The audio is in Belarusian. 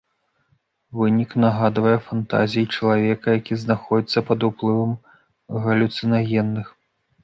Вынік нагадвае фантазіі чалавека, які знаходзіцца пад уплывам галюцынагенных.